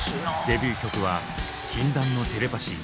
デビュー曲は「禁断のテレパシー」。